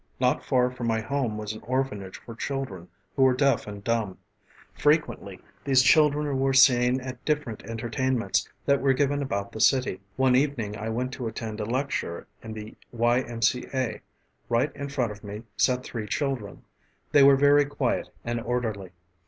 Not far from my home was an orphanage for children who were deaf and dumb. Frequently these children were seen at different entertainments that were given about the city. One evening I went to attend a lecture in the Y.M.C.A. Right in front of me sat three children. They were very quiet and orderly.